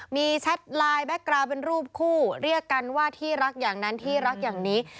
มีแชทไลน์แบ็คกราวเป็นรูปคู่เรียกกันว่าที่รักอย่างนั้นที่รักอย่างนี้